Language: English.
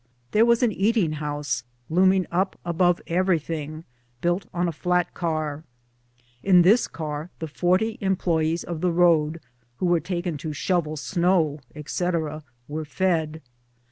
There was an eating house, looming up above everything, built on a flat car. In this car the forty employes of the road, who were taken to shovel snow, etc., were fed.